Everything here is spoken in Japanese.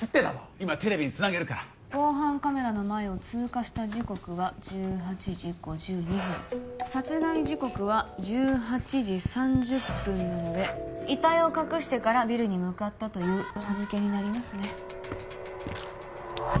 今テレビにつなげるから防犯カメラの前を通過した時刻は１８時５２分殺害時刻は１８時３０分なので遺体を隠してからビルに向かったという裏付けになりますね